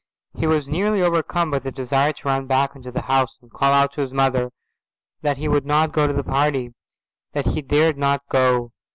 He was nearly overcome by the desire to run back into the house and call out to his mother that he would not go to the party, that he dared not go.